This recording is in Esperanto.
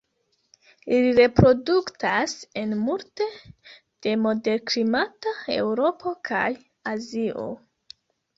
Ili reproduktas en multe de moderklimata Eŭropo kaj Azio.